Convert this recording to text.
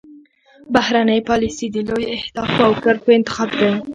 بهرنۍ پالیسي د لویو اهدافو او کرښو انتخاب دی